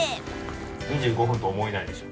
２５分と思えないでしょ？